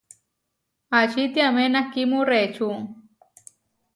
Ačitiamé nakhimú reʼečú?